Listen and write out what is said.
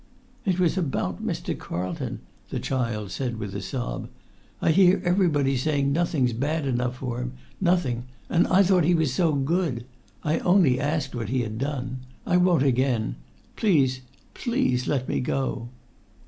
"It was about Mr. Carlton," the child said with a sob. "I hear everybody saying nothing's bad enough for him—nothing—and I thought he was so good! I only asked what he had done. I won't again. Please—please let me go!"